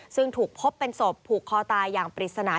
ซึ่งถูกพบเป็นศพผูกคอตายอย่างปริศนา